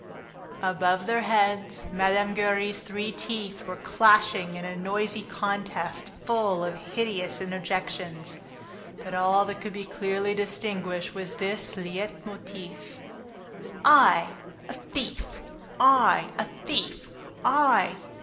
Above their heads, Mme. Giry's three teeth were clashing in a noisy contest, full of hideous interjections. But all that could be clearly distinguished was this LEIT MOTIF: "I, a thief! ... I, a thief, I?"